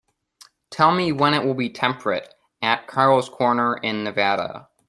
Tell me when it will be temperate at Carl's Corner, in Nevada